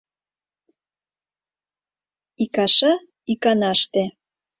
Икаша — иканаште.